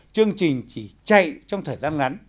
chương trình chỉ chạy trong thời gian ngắn